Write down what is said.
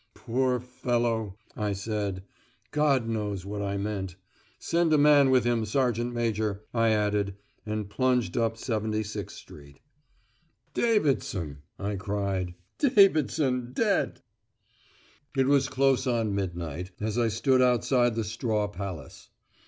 "Poor fellow," I said. God knows what I meant. "Send a man with him, sergeant major," I added, and plunged up 76 Street. "Davidson," I cried. "Davidson dead!" It was close on midnight, as I stood outside the Straw Palace.